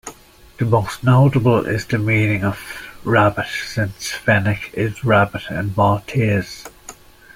The most notable is the meaning of "rabbit", since "fenek" is rabbit in Maltese.